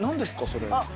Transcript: それ。